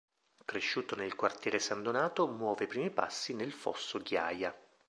Cresciuto nel quartiere San Donato, muove i primi passi nel Fosso Ghiaia.